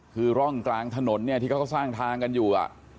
คือร่องกลางถนนเนี่ยที่เขาก็สร้างทางกันอยู่